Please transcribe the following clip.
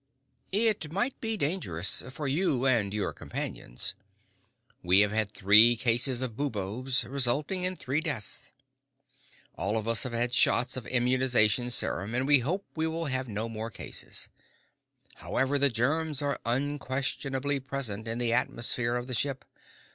"It might be dangerous, for you and your companions. We have had three cases of buboes, resulting in three deaths. All of us have had shots of immunizing serum and we hope we will have no more cases. However, the germs are unquestionably present in the atmosphere of the ship.